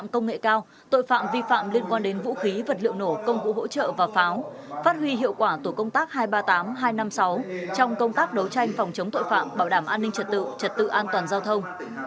công cụ hỗ trợ và pháo phát huy hiệu quả tổ công tác hai trăm ba mươi tám hai trăm năm mươi sáu trong công tác đấu tranh phòng chống tội phạm bảo đảm an ninh trật tự trật tự an toàn giao thông